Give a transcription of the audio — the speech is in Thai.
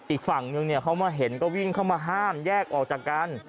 อีกฝั่งนึงเขามาเห็นก็วิ่งเข้ามาห้ามแยกออกจากกัน